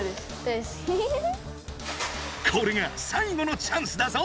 これが最後のチャンスだぞ！